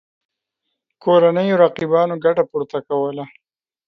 کورنیو رقیبانو ګټه پورته کوله.